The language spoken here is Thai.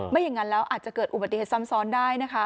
อย่างนั้นแล้วอาจจะเกิดอุบัติเหตุซ้ำซ้อนได้นะคะ